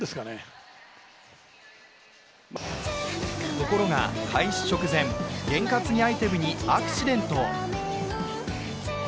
ところが開始直前、験担ぎアイテムにアクシデント。